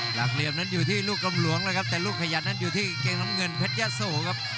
หลักเหลี่ยมนั้นอยู่ที่ลูกกำหลวงเลยครับแต่ลูกขยันนั้นอยู่ที่เกงน้ำเงินเพชรยะโสครับ